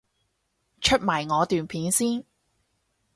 出埋我段片先